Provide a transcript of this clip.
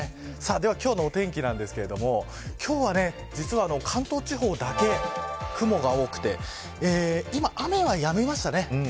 では今日の天気なんですけど今日は関東地方だけ雲が多くて今、雨はやみましたね。